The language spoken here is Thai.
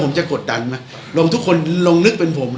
ผมจะกดดันไหมลงทุกคนลงนึกเป็นผม